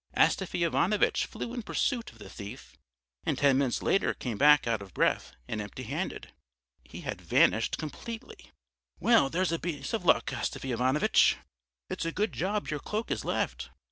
Astafy Ivanovitch flew in pursuit of the thief and ten minutes later came back out of breath and empty handed. He had vanished completely. "Well, there's a piece of luck, Astafy Ivanovitch!" "It's a good job your cloak is left!